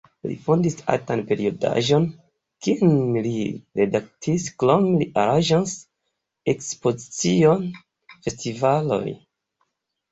Li fondis artan periodaĵon, kin li redaktis, krome li aranĝas ekspoziciojn, festivalojn.